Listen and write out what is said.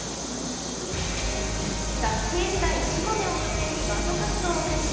学生時代、島根を拠点にバンド活動を開始。